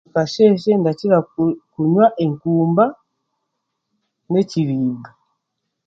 Omukasheeshe ndakira ku kunywa enkumba n'ekiribwa